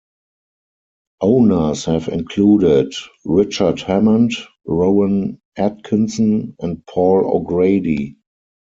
Owners have included Richard Hammond, Rowan Atkinson and Paul O'Grady.